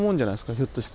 ひょっとして。